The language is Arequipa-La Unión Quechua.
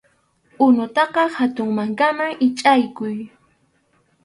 Unutaqa hatun mankaman hichʼaykuy.